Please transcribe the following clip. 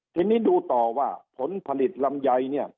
ทีนี้ดูต่อว่าผลผลิตลำไยเนี่ย